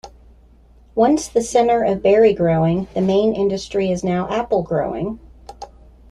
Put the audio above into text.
Once the center of berry growing, the main industry is now apple growing.